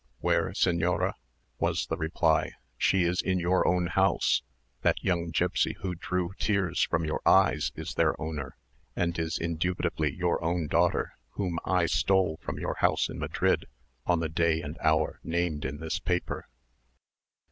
"Where, señora?" was the reply. "She is in your own house. That young gipsy who drew tears from your eyes is their owner, and is indubitably your own daughter, whom I stole from your house in Madrid on the day and hour named in this paper."